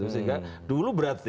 sehingga dulu berarti